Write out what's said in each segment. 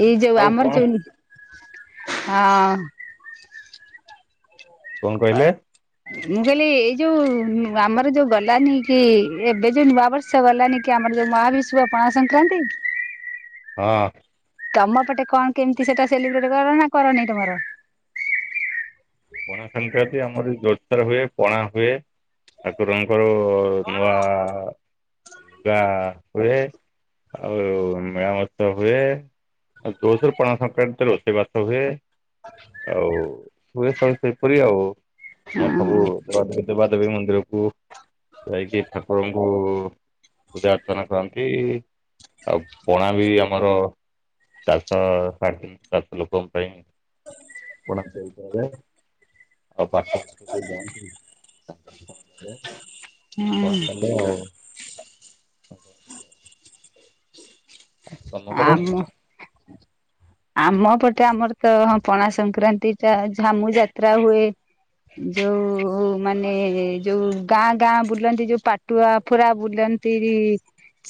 ଏଇ ଯୋଉ ଆଉ ଆମର କଣ ଯାଇନୁ ହଁ। କଣ ଆ କହିଲେ? ମୁଁ କଇଲି ଏଇ ଯୋଉ ଆମର ଯୋଉ ଗଲାନି କି, ଏବେ ଯୋଉ ନୂଆବର୍ଷ ବର୍ଷ ଗଲାନି କି, ଆମର ଯୋଉ ମହାବିଷୁବ ପଣା ସଂକ୍ରାନ୍ତି। ହଁ। ତମ ପଟେ କଣ କେମିତି ସେଇଟା ସେଲିବ୍ରେଟ୍ କର ନା, କରନେଇ ତମର? ପଣା ସଂକ୍ରାନ୍ତି ଆମର ଜୋରସର ହୁଏ ପଣା ହୁଏ। ଠାକୁରଙ୍କର ନୂଆ ଲୁଗା ହୁଏ। ଆଉ ମେଳା ମହୋତ୍ସବ ହୁଏ। ଜୋରସୋର ପଣା ସଂକ୍ରାନ୍ତିରେ ରୋଷେଇ ବାସ ହୁଏ। [unintelligible] ଆଉ ହୁଏ ତ ସେଇପରି ଆଉ। ଆଉ ସବୁ ହଁ [unintelligible] ଦେବା ଦେବୀ ମନ୍ଦିରକୁ ଯାଇକି, ଠାକୁରଙ୍କୁ ପୂଜା ଅର୍ଚ୍ଚନା କରନ୍ତି। ଆଉ ପଣା ବି ଆମର ଚାରିଶହ ସାଡେ ତିନିଶହ ଚାରିଶହ ଲୋକଙ୍କ ପାଇଁ ପଣା ତିଆ [unintelligible] ହୁଁ। ଆଉ ତମ ଘର? ଆମ ଆମ ପଟେ ଆମର ତ, ହଁ ପଣା ସଂକ୍ରାନ୍ତିଟା ଝାମୁ ଯାତ୍ରା ହୁଏ। ଯୋଉ ମାନେ ଯୋଉ ଗାଁ ଗାଁ ବୁଲନ୍ତି ଯୋଉ ପାଟୁଆ ଫୁରା ବୁଲ ନ୍ତି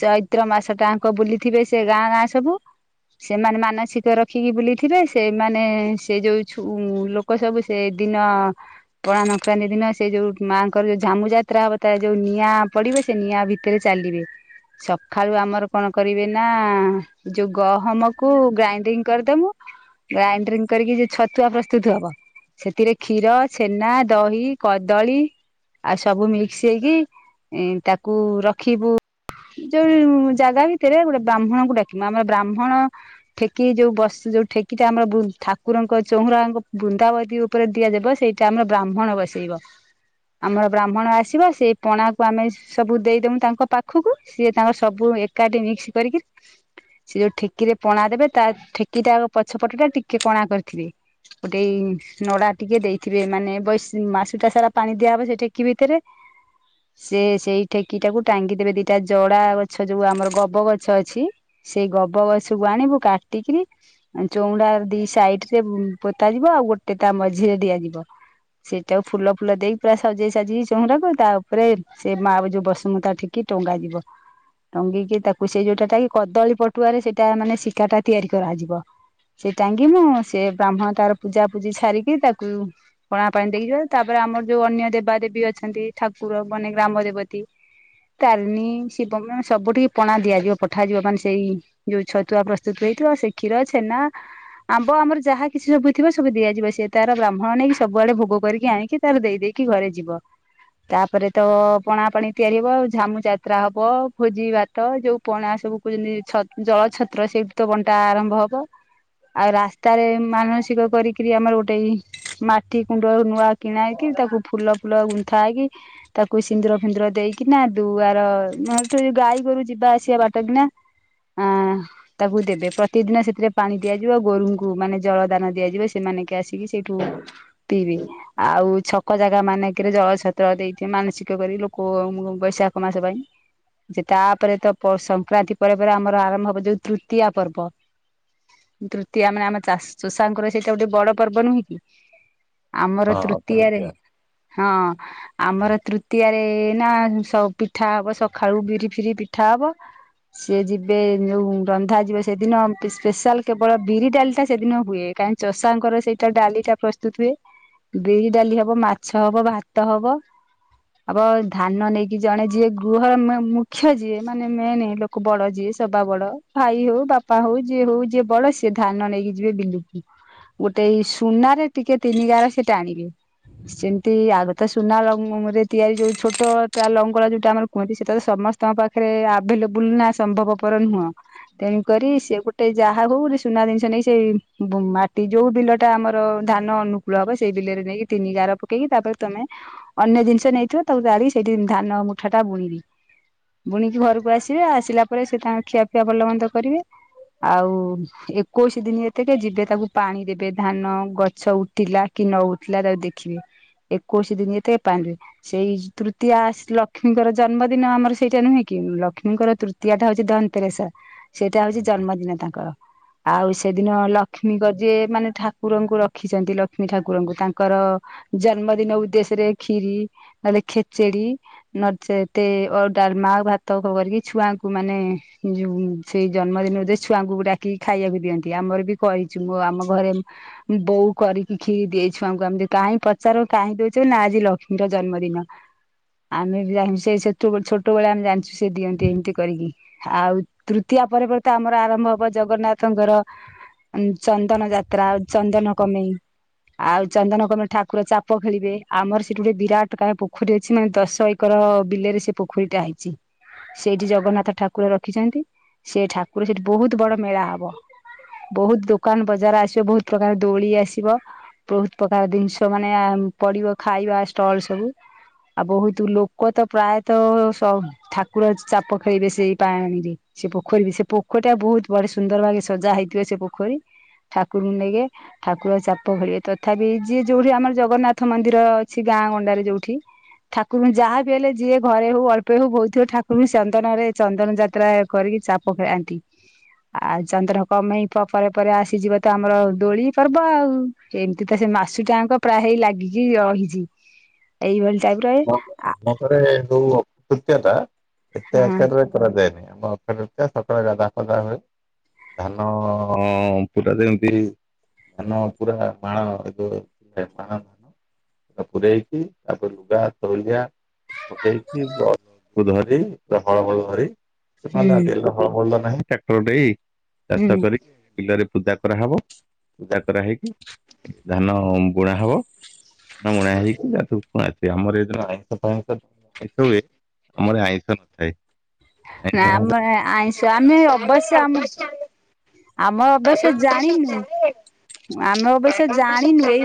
ଚୈତ୍ର ମାସ ଟାଙ୍କ ବୁଲିଥିବେ, ସେ ଗାଁ ଗାଁ ସବୁ। ସେମାନେ ମାନସିକ କ ରଖିକି ବୁଲିଥିବେ, ସେମାନେ ସେ ଯୋଉ ଛୁ ଲୋକ ସବୁ ସେ ଦିନ ପଣା ସଂକ୍ରାନ୍ତି ଦିନ ସେ ଯୋଉ ମାଆଙ୍କର ଯୋଉ ଝାମୁ ଯାତ୍ରା ହବ, ତା ଯୋଉ ନିଆଁ ପଡିବ ସେ ନିଆଁ ଭିତରେ ଚାଲିବେ। ସଖାଳୁ ଆମର କଣ କରିବେ ନା, ଯୋଉ ଗହମକୁ ଗ୍ରାଇଣ୍ଡ ଡ୍ରିଂ କରିଦବୁ, ଗ୍ରାଇନଡ୍ରିଂ କରିକି ଯ ଛତୁଆ ପ୍ରସ୍ତୁତ ହବ। ସେଥିରେ କ୍ଷୀର, ଛେନା, ଦହି, କଦଳୀ ଆଉ ସବୁ ମିକ୍ସ ହେଇକି, ତାକୁ ରଖିବୁ ଯୋଉ ଜାଗା ଭିତରେ ଗୋଟେ ବ୍ରାହ୍ମଣଙ୍କୁ ଡାକିବ, ଆମର ବ୍ରାହ୍ମଣ କି ଯୋଉ ବସ ଯୋଉ ଠେକିଟା ଆମର, ଠାକୁରଙ୍କ ଚଉଁରାଙ୍କ ବୃନ୍ଦାବତୀ ଉପରେ ଦିଆଯିବ। ସେଇ ଟା ଆମର ବ୍ରାହ୍ମଣ ବସେଇବ। ଆମର ବ୍ରାହ୍ମଣ ଆସିବ, ସେଇ ପଣାକୁ ଆମେ ସବୁ ଦେଇଦବୁ ତାଙ୍କ ପାଖକୁ, ସିଏ ତାଙ୍କର ସବୁ ଏକାଠି ମିକ୍ସ କରିକି ସେ ଯୋଉ ଠେକିରେ ପଣା ଦେବେ, ତା ଠେକିଟା ଆଗ ପଛପଟୁ ଟା ଟିକେ କଣା କରିଥିବେ। ଗୋଟେ ନଡା ଟିକେ ଦେଇଥିବେ ମାନେ [unintelligible] ମାସୁଟା ସାରା ପାଣି ଦିଆହେବ ସେ ଠେକି ଭିତରେ। ସେ ସେଇ ଠେକିଟାକୁ ଟାଙ୍ଗିଦବେ, ଦିଟା ଜଡା ଗଛ ଯୋଉ ଆମର ଗବ ଗଛ ଅଛି। ସେଇ ଗବ ଗଛକୁୁ ଆଣିବୁ, କାଟିକିରି ଚଉଁରା ଦି ସାଇଡରେ ପୋତା ଯିବ, ଆଉ ଗୋଟେ ତା ମଝିରେ ଦିଆଯିବ। ସେଇଟାକୁ ଫୁଲ ଫୁଲ ଦେଇକି ପୁରା ସଜେଇ ସଜେଇି ଚଉଁରାକୁ, ତା ଉପରେ ସେ ମାଆ ଯୋଉ ବସୁ ତା ଠେ କି ଟଙ୍ଗାଯିବ, ଟଙ୍ଗେଇକି ତାକୁ ସେ ଯୋଉଟା ଟା କି କଦଳୀ ପଟୁଆରେ ସେଇଟା ମାନେ ଶିକାଟା ତିଆରି କରାଯିବ। ସେଇଟି ଟାଙ୍ଗିବୁ, ସେ ବ୍ରାହ୍ମଣ ତାର ପୂଜା ପୂଜି ସାରିକି ତାକୁ ପଣା ପାଣି ଦେଇକି ଯିବ, ତାପରେ ଆମର ଯୋଉ ଅନ୍ୟ ଦେବାଦେବୀ ଅଛନ୍ତି। ଠାକୁର ମାନେ ଗ୍ରାମ ଦେବତୀ ତାରିଣୀ, ଶିବ ମାନେ ସବୁଠିକେ ପଣା ଦିଆଯିବ ପଠାଯିବ ମାନେ ସେଇ ଯୋଉ ଛତୁଆ ପ୍ର ସ୍ତୁତ ହେଇଥିବ ସେ କ୍ଷୀର, ଛେନା ଆମ୍ବ ଆମର ଯାହା କିଛି ସବୁଥିବ ସବୁ ଦିଆଯିବ। ସିଏ ତାର ବ୍ରାହ୍ମଣ ନେଇକି ସବୁଆଡେ ଭୋଗ କରିକି, ଆଣିକି ତାର ଦେଇ ଦେଇକି ଘରେ ଯିବ। ତାପରେ ତ ପଣା ପାଣି ତିଆରି ହବ, ଝାମୁ ଯାତ୍ରା ହବ, ଭୋଜି ଭା ତ, ଯୋଉ ପଣା ସବୁ କଛ ଜଳ ଛତ୍ର ସେଇଠୁ ତ ବଣ୍ଟା ଆରମ୍ଭ ହବ। ଆଉ ରାସ୍ତାରେ ମାନସିକ କରିକିରି ଆମର ଗୋଟାଇ ମାଟି କୁଣ୍ଡ ନୂଆ କିଣାଇକି ତାକୁ ଫୁଲ ଫୁଲ ଗୁନ୍ଥା ହେଇକି ତାକୁ ସିନ୍ଦୁର ଫିନ୍ଦୁର ଦେଇକିନା ଦୁଆର ଗାଈ ଗୋରୁ ଯିବା ଆସିବା ବାଟ କିିନା ଆଁ। ତାକୁ ଦେବେ ପ୍ରତିଦିନ ସେଥିରେ ପାଣି ଦିଆଯିବ ଗୋରୁଙ୍କୁ ମାନେ ଜଳ ଦାନ ଦିଆଯିବ ସେମାନେକେ ଆସିକି ସେଇଠୁ ପଇବେ। ଆଉ ଛକ ଜାଗା ମାନେଙ୍କରେ ଜଳ ଛତ୍ର ଦେଇଥିବେ ମାନସିକ କରିକି ଲୋକୋ ଉ ମ ବୈଶାଖ ମାସ ପାଇଁ। ଯେ ତାପରେ ତ ପ ସଂକ୍ରାନ୍ତି ପରେ ପରେ ଆମର ଆରମ୍ଭ ହବ ଯୋଉ ତୃତୀୟା ପର୍ବ ତୃତୀୟା ମାନେ ଆମ ଚାସ ଚଷାଙ୍କର ସେଇଟା ଗୋଟେ ବଡ ପର୍ବ ନୁହେଁ କି? ଆମର ହଁ ତୃତୀୟା ରେ ଅକ୍ଷତୃତୀୟା। ହଁ। ଆମର ତୃତୀୟାରେ ନା ସ ପିଠା ହବ ସକାଳୁ ବିରି ଫିରି ପିଠା ହବ। ସିଏ ଯିବେ ଯୋଉ ରନ୍ଧାଯିବ ସେଦିନ ପେ ସ୍ପେଶାଲ କେବଳ ବିରି ଡାଲିଟା ସେଦିନ ହୁଏ। କହିଁ ଚଷାଙ୍କର ସେଇଟା ଡାଲିଟା ପ୍ରସ [unintelligible] ବିରି ଡାଲି ହବ ମାଛ ହବ ଭାତ ହବ। ଆବ ଧାନ ନେଇକି ଜଣେ ଯିଏ ଗୁହର ମ ମୁଖ୍ୟ ଯିଏ ମାନେ ମେନେ ଲୋ ବଡ ଯିଏ ସବା ବଡ଼ ଭାଇ ହଉ ବାପା ହଉ ଯିଏ ହଉ ଯିଏ ବଡ଼ ସିଏ ଧାନ ନେଇକି ଯିବେ ବିଲୁକୁ। ଗୋଟେ ଏଇ ସୁନାରେ ଟିକେ ତିନି ଗାର ସେଟା ଟାଣିବେ। ସେମିତି ଆଗ ତ ସୁନା ଲଙ୍ଗ ରେ ତିଆରି ଯୋଉ ଛୋଟ ତା ଲଙ୍ଗଳା ଯୋଉଟା ଆମର କୁହନ୍ତି ସେଟା ତ ସମସ୍ତଙ୍କ ପାଖରେ ଆଭେଲେବୁଲ ନା ସମ୍ଭବପର ନୁହଁ। ତେଣୁ କରିରି ସେ ଗୋଟେ ଯାହା ହଉ ଗୋଟେ ସୁନା ଜିନିଷ ନେଇ ସେ ମାଟି ଯୋଉ ବିଲ ଟା ଆମର ଧାନ ଅନୁକୂଳ ହବ ସେଇ ବିଲରେ ନେଇକି ତିନି ଗାର ପକେଇକି ତାପରେ ତମେ ଅନ୍ୟ ଜିନିଷ ନେଇଥିବ ତାକୁ ଗାଳି ସେଇଠି ଧାନ ମୁଠା ଟା ବୁଣିବି। ବୁଣିକି ଘରକୁ ଆସିବେ ଆସିଲା ପରେ ସେ ତାଙ୍କ ଖିଆପିଆ ଭଲ ମନ୍ଦ କରିବେ। ଆଉ ଏକୋଇଶି ଦିନ ଏତେକ ଯିବେ ତାକୁ ପାଣି ଦେବେ ଧାନ ଗଛ ଉ ଠିଲା କି ନଉଠିଲା ତାକୁ ଦେଖିବି ଏକୋଇଶି ଦିନ ଏତେକେ ପାଣି ଦେବେ। ସେଇ ତୃତୀୟା ସ ଲକ୍ଷ୍ମୀଙ୍କର ଜନ୍ମଦିନ ଆମର ସେଇଟା ନୁହେଁ କି? ଲକ୍ଷ୍ମୀଙ୍କର ତୃତୀୟା ଟା ହଉଛି ଧ ତେରସ ସେଇଟା ହଉଚି ଜନ୍ମଦିନ ତାଙ୍କର। ଆଉ ସେଦିନ ଲକ୍ଷ୍ମୀଙ୍କ ଯିଏ ମାନେ ଠାକୁରଙ୍କୁ ରଖିଛନ୍ତି ଲକ୍ଷ୍ମୀ ଠାକୁରଙ୍କୁ ତାଙ୍କର ଜନ୍ମଦିନ ଉଦ୍ଦେଶ୍ୟରେ କ୍ଷିରି ନହେଲେ ଖେଚେଡି ନଚତେ ଅ ଡାମା ଭାତ କରିକି ଛୁଆଙ୍କୁ ମାନେ ଯଉ ସେଇ ଜନ୍ମଦିନ ଉଦେ ଛୁଆଙ୍କୁ ଡାକିକି ଖାଇବାକୁ ଦିଅନ୍ତି ଆମର ବି କହିଚୁ, ମୁଁ ଆମ ଘରେ ବୋଉ କରିକି ଖିରି ଦେଇ ଛୁଆଙ୍କୁ ଆମ କାହିଁ ପଚାର କାହିଁ ଦଉଛୁ ନା ଆଜି ଲକ୍ଷ୍ମୀଙ୍କ ଜନ୍ମଦିନ। ଆମେ ବି ଜାଣିଚୁ ସେ ସେ ଛୋଟବେେଳେ ଆମେ ଜାଣିଛୁ ସେ ଦିଅନ୍ତି ଏମିତି କରିକି। ଆଉ ତୃତୀୟା ପରେ ପରେ ତ ଆମର ଆରମ୍ଭ ହବ ଜଗନ୍ନାଥଙ୍କର ଚନ୍ଦନ ଯାତ୍ରା ଆ ଚନ୍ଦନ କମେଇ। ଆଉ ଚନ୍ଦନ କମେ ଠାକୁର ଚାପ ଖେଳିବେ। ଆମର ସେଠି ଗୋଟେ ବିରାଟ କା ପୋଖରୀ ଅଛି ମାନେ ଦଶ ଏକର ବିଲରେ ସେ ପୋଖରୀ ଟା ହେଇଛି ସେଇଠି ଜଗନ୍ନାଥ ଠାକୁ କୁର ରଖିଚନ୍ତି। ସେ ଠାକୁର ସେଠି ବହୁତ ବଡ ମେଳା ହବ। ବହୁତ ଦୋକାନ ବଜାର ଆସିବ ବହୁତ ପ୍ରକାର ଦୋଳି ଆସିବ। ବହୁତ ପ୍ରକାର ଜିନିଷ ମାନେ ପଡିବ ଖାଇବା ଷ୍ଟଲ ସବୁ। ଆଉ ବହୁତ ଲୋକ ତ ପ୍ରାୟତଃ ସ ଠାକୁର ଚାପ ଖେଳିବେ ସେଇ ପାଣିରେ ସେ ପୋଖରୀ ବି ସେ ପୋଖରୀ ଟା ବହୁତ ବଡେ ସୁନ୍ଦର ଭା ସଜା ହେଇଥିବ ସେ ପୋଖରୀ। ଠାକୁରଙ୍କୁ ନେଇକେ ଠାକୁର ଚାପ ଖେଳିଏ। ତଥାପି ଯିଏ ଯୋଉଠି ଆମର ଜଗନ୍ନାଥ ମନ୍ଦିର ଅଛି ଗାଁ ଗଣ୍ଡାରେ ଯୋଉଠି ଠାକୁଙ୍କୁ ଯାହାବି ହେଲେ ଯିଏ ଘରେ ହଉ ଅଳ୍ପେ ହଉ ବୋହୁତୁ ହୋଉ ଠାକୁଙ୍କୁ ଚନ୍ଦନ ରେ ଚନ୍ଦନ ଯାତ୍ରା କରିକି ଚାପ ଖେଳାନ୍ତି। ଆଉ ଚନ୍ଦ୍ରନ କମେଇ ପ ପରେ ପରେ ଆସିଯିବ ତ ଆମର ଦୋଳି ପର୍ବ ଆଉ। ଏମିତି ତ ସେ ମାସୁ ଟାଙ୍କ ପ୍ରାୟ ହେଇ ଲାଗିକି ରହିଚି ଏଇଭଳି [unintelligible] ଥରେ ଯୋଉ ଅକ୍ଷୟତୃତୀୟାଟା ଏତେ ହଁ ଆକାରରେ [inaudible] ଆମ ଅକ୍ଷୟାତୃତୀୟା ସକାଳେ ଗାଧୁଆ ପାଦୁଆ ହୁଏ। ଧାନ ପୁରା ଯେମତି ଧାନ ପୁରା ମାଣ ଏବେ ଏବେ ମାଣ ପୁରେଇକି ଆପରେ ଗା ତଉଳିଆ ପକେଇକି ଧରି ବା ହଳମଳ ଧରି ନ ହୁଁ ତେଲ ହଳ ଭଲ ନାହିଁ ଟ୍ରାକ୍ଟର ଦେଇ ଚାଷ ହୁଁ କରିକି ବିଲରେ ପୁଜା କରାହେବ ପୂଜା କରାହେଇକି ଧାନ ବୁଣା ହେବ। [inaudible] ଆମର ଏ ଯୋଉ ଆଇଁଷ ଫାଇଁଶ ହୁଏ ଆମର ଆଇଁଷ ନଥାଏ। ଆଇଁଷ ନା ଫାଇଁଷ ଆମେ ଆଇଁଷ ଆମେ ଅବଶ୍ୟ ଆମ ଆମ ଅବଶ୍ୟ ଜାଣିନୁ ଆମେ ଅବଶ୍ୟ ଜାଣିନୁ ଏଇ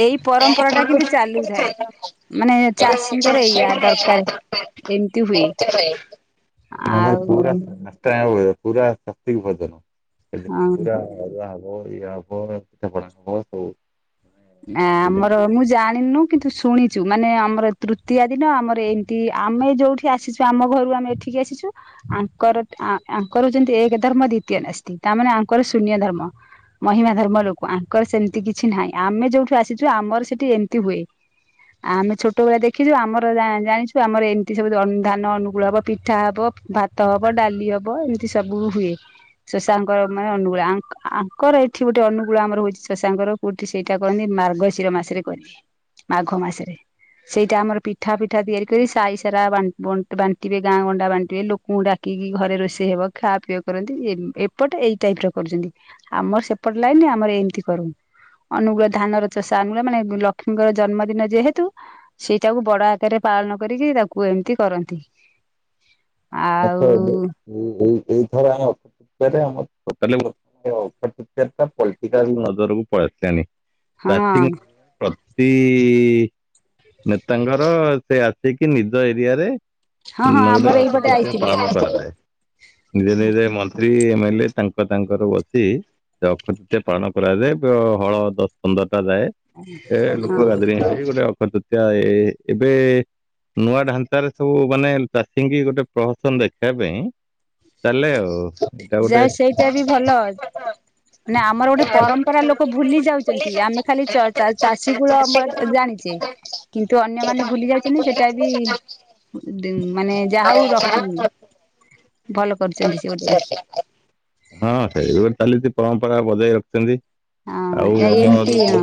ଏଇ ପରମ୍ପରାଟା କିନ୍ତୁ ଚାଲୁଛି। ମାନେ ଚାଷୀଙ୍କର ଏଇୟା ଦରକାର ଏମିତି ହୁଏ? ଆମର ପୁରା [inaudible] ଆଉ ସାତ୍ତ୍ୱିକ ଭୋଜନ ହଁ ପୁରା ଅରୁଆ ହଉ। [inaudible] ଆ ଆମର ମୁଁ ଜାଣିନୁ କିନ୍ତୁ ଶୁଣିଛୁ ମାନେ ଆମର ତୃତୀୟା ଦିନ ଆମର ଏମତି ଆମେ ଯୋଉଠି ଆସିଛୁ। ଆମ ଘରୁ ଆମେ ଏଠିକି ଆସିଛୁ। ଆଙ୍କର ଆଙ୍କର ଯେନ୍ତି ଏକ ଧର୍ମ ଦ୍ଵିତୀୟ ନାସ୍ତି ତାମାନେ ଆଙ୍କର ଶୂନ୍ୟ ଧର୍ମ। ମହିମା ଧର୍ମ ଲୋକ ଆଙ୍କର ସେମିତି କିଛି ନାହିଁ ଆମେ ଯୋଉଠୁ ଆସିଛୁ ଆମର ସେଠି ଏମିତି ହୁଏ। ଆ ଆମେ ଛୋଟ ବେଳର ଦେଖିଛୁ ଆମର ଜାଣିଛୁ ଆମର ଏମିତି ସବୁ ଧାନ ଅନୁକୂଳ ହବ ପିଠା ହବ ଭାତ ଭାତ ହବ ଡାଲି ହବ ଏମିତି ସବୁ ହୁଏ। ଶଶାଙ୍କର ମାନେ ଅନୁଗୁଳ ଆଙ୍କର ଏଠି ଗୋଟେ ଅନୁଗୁଳ ଆମର ହଉଛି ଶଶାଙ୍କର ସେଇଟା କରନ୍ତି ମାର୍ଗଶିର ମାସରେ କରିବି ମାଘ ମାସରେ। ସେଇଟା ଆମର ପିଠା ପିଠା ତିଆରି କରି ସାଇ ସାରା ବାଣ୍ଟିବେ ଗାଁ ଗଣ୍ଡା ବାଣ୍ଟିବେ ଲୋ କ ଡାକିକି ଘରେ ରୋଷେଇ ହବ ଖାଆ ପିଆ କରନ୍ତି ଏପଟେ ଏଇ ଟାଇପର କରୁଛନ୍ତି ଆମର ସେପଟ ଲାଇନି ଆମର ଏମିତି କରୁ ଅନୁଗୁଳ ଧାନର ଚଷା ଅନୁଗୁଳ ମାନେ ଲକ୍ଷ୍ମୀଙ୍କର ଜନ୍ମଦିନ ଯେହେତୁ ସେଇଟାକୁ ବଡ ଆକାରରେ ପାଳନ କରିକି ତାକୁ ଏମିତି କରନ୍ତି। ଆଉ [inaudible] ତ ପଲିଟିକାଲ ନଜରକୁ ପଳେଇଆସିଲାନି। ହଁ ଚାଷୀଙ୍କ ପ୍ରତି ନେତାଙ୍କର ସେ ଆସିକି ନିଜ ଏରିଆରେ ହଁ ହଁ ଆମର ଏଇପଟେ [inaudible] ଆଇଥିଲେ ପାଳନ କରାଯାଏ। ନିଜେ ନିଜେ ମନ୍ତ୍ରୀ ଏମଏଲ ଏ ତାଙ୍କ ତାଙ୍କର ବସି ଅକ୍ଷୟ ତୃତୀୟା ପାଳନ କରାଯାଏ ହଳ ଦଶ ପନ୍ଦରଟା ଯାଏ। ଏ ହଁ ଲୋକ ଗାଦରିଂ ହେଇ ଗୋଟେ ଅକ୍ଷତୃତୀୟା ଏ ଏବେ ନୂଆ ଢାଞ୍ଚାରେ ସବୁ ମାନେ ଚାଷୀଙ୍କ ଗୋଟେ ପ୍ରହସନ ଦେଖେଇବା ପାଇଁ ଚାଲେ ଆଉ ଏଇଟା ଯା ଗୋଟେ ସେଇଟା ବି ଭଲ। ନା ଆମର ଗୋଟେ ପରମ୍ପରା ଲୋକ ଭୁଲି ଯାଉଛନ୍ତି ଆମେ ଖାଲି ଚାଷୀ ଗୁଳ ଆମର ଜାଣିଛୁ। ଚାଷୀ କିନ୍ତୁ ହଁ ଅନ୍ୟମାନେ ଭୁଲି ଯାଇଛନ୍ତି ସେଟା ବି ମାନେ ଯାହା ହଉ ରଖ ସେଇଭଳି ଭଲ କରିୁଛନ୍ତି ସେ ଗୋଟେ। ହଁ ସେଇ ଚାଲିଛି ପରମ୍ପରା ବଜେଇ ରଖ ରଖିଛନ୍ତି ଆଉ [inaudible] ହଁ ଏମିତି ହଁ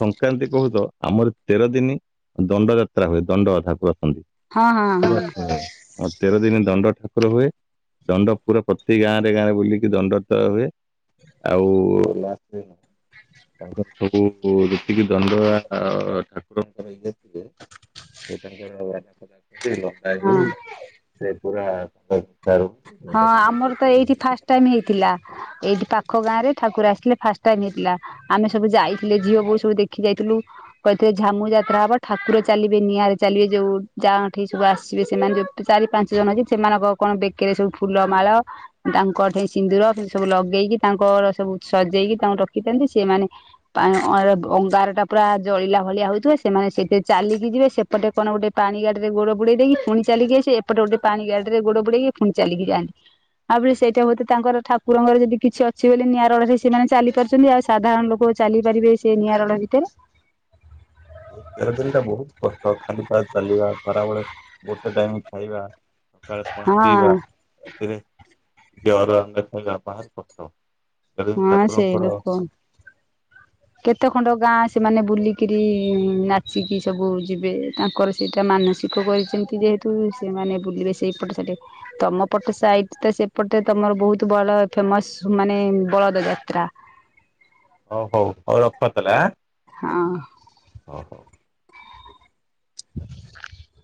ସଂକ୍ରାନ୍ତି କହୁଛ ଆମର ତେର ଦିନ ଦଣ୍ଡଯାତ୍ରା ହୁଏ ଦଣ୍ଡଧାକୁ ଆସନ୍ତି। ହଁ ହଁ ହଁ ତେର ଦିନ ଦଣ୍ଡ ଠା ଠାକୁର ହୁଏ ଦଣ୍ଡ ପୁରା ପ୍ରତି ଗାଁରେ ଗାଁରେ ବୁଲିକି ଦଣ୍ଡ ତ ହୁଏ। ଆଉ ରାତି ତାଙ୍କର ସବୁ ଯେତିକି ଦଣ୍ଡ ଠାକୁରଙ୍କର ଇଏ ଥିଲେ ତାଙ୍କର ଏନା ଫନା କରି ହଁ। ଲଗାହେଇ ସେ ପୁରା ରୁହନ୍ତି ହଁ ମୁଣ୍ଡ ଆମର ତ ତାଙ୍କର। ଏଇଠି ଫାଷ୍ଟ ଟାଇମ ହେଇଥିଲା। ଏଇଠି ପାଖ ଗାଁରେ ଠାକୁର ଆସିଥିଲେ ଫାଷ୍ଟ ଟାଇମ୍ ହେଇଥିଲା। ଆମେ ସବୁ ଯାଇଥିଲେ ଝିଅ ବୋହୁ ସବୁ ଦେଖି ଯାଇଥିଲୁ। କହିଥିଲେ ଝାମୁ ଯାତ୍ରା ହବ ଠାକୁର ଚାଲିବେ ନିଆଁରେ ଚାଲିବେ ଯୋଉ ଯାଁଠି ସବୁ ଆସିବେ ସେମାନେ ଯୋଉ ଚାରି ପାଞ୍ଚ ଜଣ ହେଇକି ସେମାନଙ୍କ କଣ ବେକରେ ସବୁ ଫୁଲ ମାଳ ତାଙ୍କଠେଇ ସିନ୍ଦୁର ସେ ସବୁ ଲଗେଇକି ତାଙ୍କର ସବୁ ସଜେଇକି ତାଙ୍କୁ ରଖିଥାନ୍ତି ସେମାନେ ଅଙ୍ଗାରଟା ପୁରା ଜଳିଲା ଭଳିଆ ହଉଥିବ ସେମାନେ ସେଇଥିରେ ଚାଲିକି ଯିବେ ସେ ଏପଟେ କଣ ଗୋଟେ ପାଣି ଗାଡିରେ ଗୋଡ ବୁଡେଇ ଦେଇକି ପୁଣି ଚାଲିକି ଆସିବେ ଏପଟେ ଗୋଟେ ପାଣି ଗାଡିରେ ଗୋଡ ବୁଡେଇକି ପୁଣି ଚାଲିକି ଯାଆନ୍ତି। ଆଉ ବି ସେଇଟା ହୁଏତ ତାଙ୍କର ଠାକୁରଙ୍କର ଯଦି କିଛି ଅଛି ବୋଲି ନିଆଁ ରଡରେ ସେମାନେ ଚାଲି ପାରୁଛନ୍ତି ଆଉ ସାଧାରଣ ଲୋକ ଚାଲି ପାରିବେ ସେ ନିଆଁ ରଡ ଭିତରେ? ତେର ଦିନଟା ବହୁତ କଷ୍ଟ ଖାଲି ପାଦରେ ଚାଲିବା ଖରାବେଳେ ଗୋଟେ ଟାଇମ ଖାଇବା ସକାଳ ପଣା ହଁ ପିଇବା ସେଥିରେ ଜର ହେବା ଭାରି କଷ୍ଟ। ହେଲେ ବି ହଁ ସେ ଠାକୁରଙ୍କର ଲୋକ କେତେ ଖଣ୍ଡ ଗାଁ ସେମାନେ ବୁଲିକିରି ନାଚିକି ସବୁ ଯିବେ ତାଙ୍କର ସେଇଟା ମାନସିକ କରିଛନ୍ତି ଯେହେତୁ ସେମାନେ ବୁଲିବେ ସେଇପଟେ ସେଠେ ତମ ପଟ ସାଇଟ ତ ସେପଟେ ତମର ବହୁତ ବଡ ଫେମସ ମାନେ ବଳଦ ଯାତ୍ରା। ଓ ହଉ ହଉ ରଖତାଲେ ଆଁ। ହଁ। ଓ ହୋ। [inaudible]